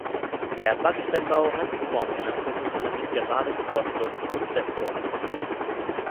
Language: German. Der Backsteinbau hat die Form einer Stufenhalle mit geradem Chorschluss und Westturm.